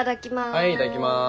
はいいただきます。